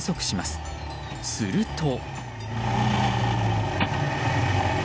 すると。